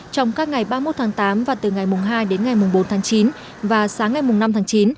trong các ngày ba mươi một tháng tám và từ ngày hai đến ngày mùng bốn tháng chín và sáng ngày năm tháng chín